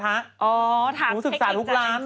อ๋อถามเทคนิคใจนะจริง